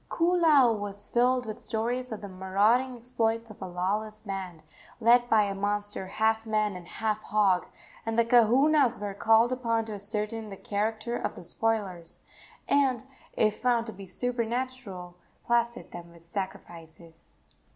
Koolau was filled with stories of the marauding exploits of a lawless band, led by a monster half man and half hog, and the kahunas were called upon to ascertain the character of the spoilers, and, if found to be supernatural, placate them with sacrifices.